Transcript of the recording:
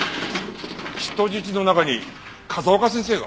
人質の中に風丘先生が？